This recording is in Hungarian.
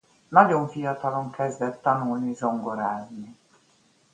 Nagyon fiatalon kezdett tanulni zongorázni.